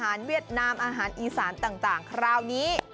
เอาล่ะเดินทางมาถึงในช่วงไฮไลท์ของตลอดกินในวันนี้แล้วนะครับ